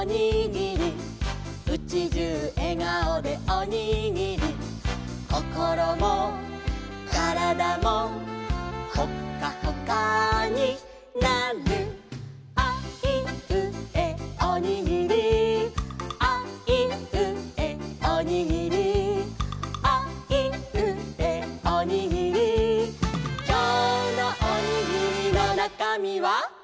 「うちじゅうえがおでおにぎり」「こころもからだも」「ホッカホカになる」「あいうえおにぎり」「あいうえおにぎり」「あいうえおにぎり」「きょうのおにぎりのなかみは？」